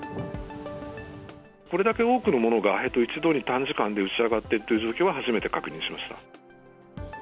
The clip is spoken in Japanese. これだけ多くのものが一度に短時間で打ち上がっているという状況は、初めて確認しました。